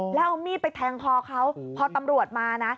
แล้วเอามีดไปแทงคอเขาพอตำรวจมานะ